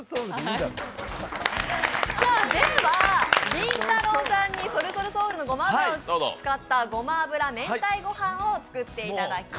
りんたろーさんにＳＯＬＳＯＬＳＥＯＵＬのごま油を使ったごま油明太子ご飯を作っていただきます。